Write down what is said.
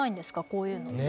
こういうの？